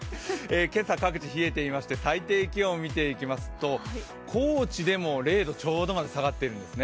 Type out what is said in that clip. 今朝、各地冷えていまして、最低気温を見ていきますと高知でも０度ちょうどまで下がっているんですね。